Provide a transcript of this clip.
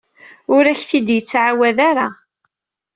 Ur ak-t-id-yettɛawad ara.